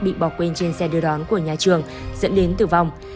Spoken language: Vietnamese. bị bỏ quên trên xe đưa đón của nhà trường dẫn đến tử vong